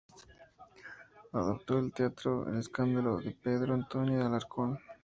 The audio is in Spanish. Adaptó al teatro "El escándalo", de Pedro Antonio de Alarcón.